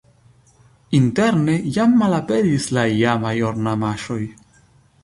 Interne jam malaperis la iamaj ornamaĵoj.